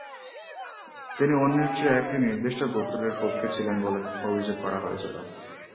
তিনি অন্যের চেয়ে একটি নির্দিষ্ট গোত্রের পক্ষে ছিলেন বলে অভিযোগ করা হয়েছিল।